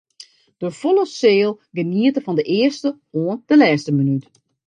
De folle seal geniete fan de earste oant de lêste minút.